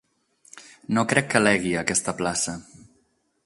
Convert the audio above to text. No crec que l'hegui, aquesta plaça.